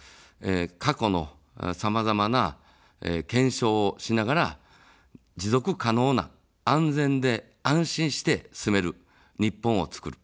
過去のさまざまな検証をしながら持続可能な安全で安心して住める日本をつくる。